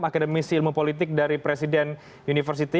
akademisi ilmu politik dari presiden university